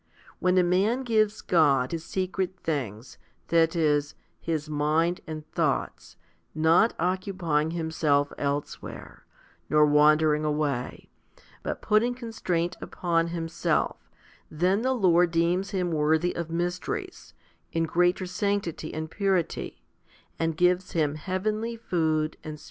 When a man gives God his secret things, that is, his mind and thoughts, not occupying himself elsewhere, nor wandering away, but putting constraint upon himself, then the Lord deems him worthy of mysteries, in greater sanctity and purity, and gives him heavenly food and spiritual drink.